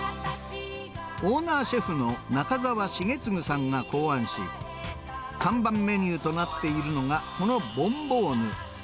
オーナーシェフの中澤重次さんが考案し、看板メニューとなっているのがこのボンボーヌ。